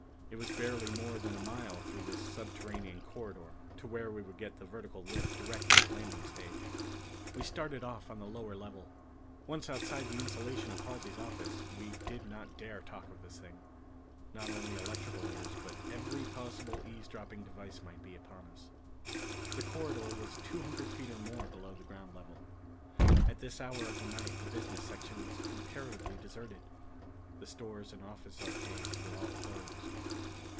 It was barely more than a mile through this subterranean corridor to where we could get the vertical lift direct to the landing stage. We started off on the lower level. Once outside the insulation of Halsey's office we did not dare talk of this thing. Not only electrical ears, but every possible eavesdropping device might be upon us. The corridor was two hundred feet or more below the ground level. At this hour of the night the business section was comparatively deserted. The stores and office arcades were all closed.